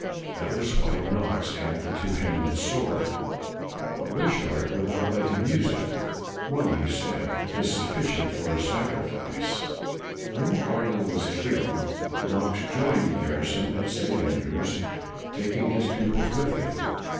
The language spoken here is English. That was why Knox had the two handed sword. But Wishart would not let him use it. " One/' he said, " is sufficient for a sacrifice." When the cardinal was killed, Knox joined the garrison at St. Andrews, taking his pupils with him.